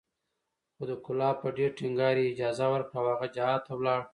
خو د کلاب په ډېر ټينګار یې اجازه ورکړه او هغه جهاد ته ولاړ